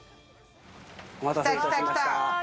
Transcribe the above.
来た、来た、来た！